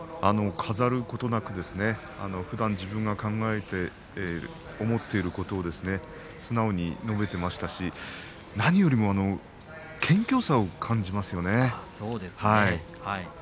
飾ることなくふだん自分が考えて思っていることを素直に述べていましたし何よりも謙虚さを感じますよね。